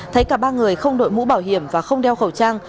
thấy cả ba người không đội mũ bảo hiểm và không đeo khẩu trang